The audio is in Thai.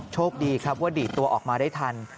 โชคดีครับว่าดีดตัวออกมาได้ทัน